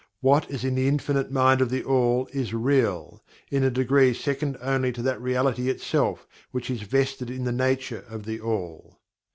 What is IN THE INFINITE MIND OF THE ALL is REAL in a degree second only to that Reality itself which is vested in the nature of THE ALL.